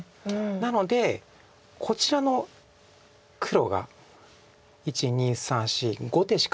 なのでこちらの黒が１２３４５手しかありませんので。